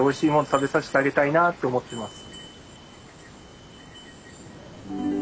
食べさしてあげたいなあって思ってます。